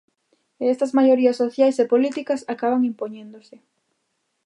E estas maiorías sociais e políticas acaban impoñéndose.